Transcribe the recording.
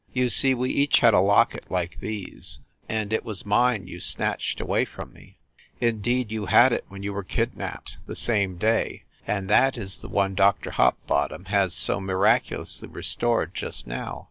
You see, we each had a locket like these ; and it was mine you snatched away from me. In deed, you had it when you were kidnapped, the same day ; and that is the one Dr. Hopbottom has so mi raculously restored just now.